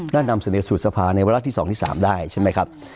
นั่นนำเสนอสู่ทรภาในวัฒน์ที่๒ที่๓ได้ใช่ไหมครับ